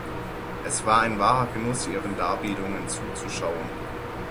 Es war ein wahrer Genuss, ihren Darbietungen zuzuschauen.